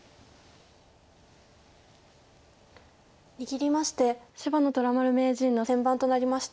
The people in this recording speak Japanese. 握りまして芝野虎丸名人の先番となりました。